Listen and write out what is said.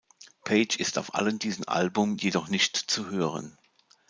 Page ist auf diesem Album jedoch nicht zu hören.